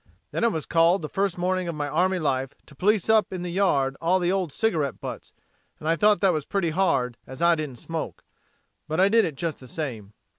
Then I was called the first morning of my army life to police up in the yard all the old cigarette butts and I thought that was pretty hard as I didn't smoke. But I did it just the same."